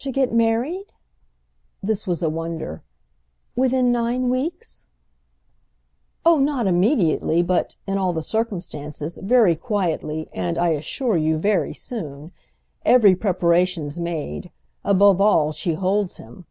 "To get married?"—this was a wonder—"within nine weeks?" "Oh not immediately, but—in all the circumstances—very quietly and, I assure you, very soon. Every preparation's made. Above all she holds him."